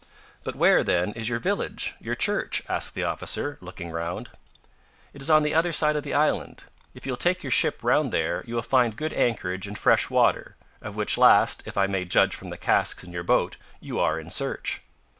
"But where, then, is your village, your church?" asked the officer, looking round. "It is on the other side of the island. If you will take your ship round there you will find good anchorage and fresh water, of which last, if I may judge from the casks in your boat you are in search."